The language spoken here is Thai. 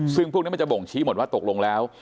ซึ่งพวกนี้มันจะบ่งชี้หมดว่าตกลงแล้ว